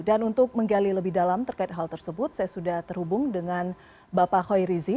untuk menggali lebih dalam terkait hal tersebut saya sudah terhubung dengan bapak hoirizi